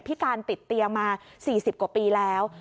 พิการติดเตียงมา๔๐กว่าปีแล้ว